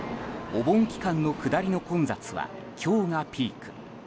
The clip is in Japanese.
お盆期間の下りの混雑は今日がピーク。